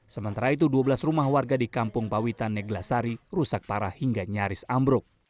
sementara itu dua belas rumah warga di kampung pawitan neglasari rusak parah hingga nyaris ambruk